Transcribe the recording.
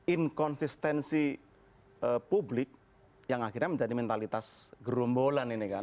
inkonsistensi publik yang akhirnya menjadi mentalitas gerombolan ini kan